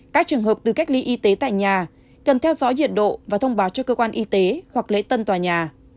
các trường hợp từ cách ly y tế tại nhà cần theo dõi nhiệt độ và thông báo cho cơ quan y tế hoặc lễ tân tòa nhà